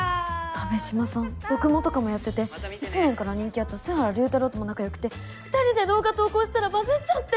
鍋島さん読モとかもやってて１年から人気あった栖原竜太郎とも仲良くて２人で動画投稿したらバズっちゃって！